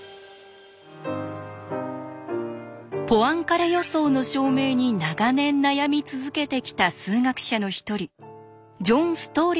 ポアンカレ予想の証明に長年悩み続けてきた数学者の一人ジョン・ストー